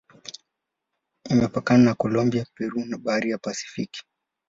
Imepakana na Kolombia, Peru na Bahari ya Pasifiki.